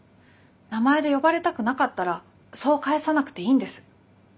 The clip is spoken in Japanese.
名前で呼ばれたくなかったらそう返さなくていいんです。